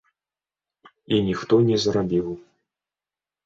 І ніхто не зрабіў.